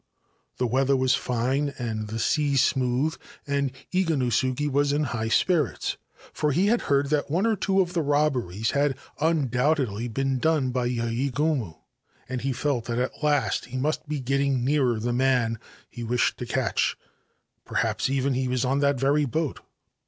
The weather was fine and the sea smooth, and Iganosuke was in high spirits, for he had heard that one or two of the robberies had undoubtedly been done by Yayegumo, and he felt that at last he must be getting nearer the man he wished to catch — perhaps, even, he was on that very boat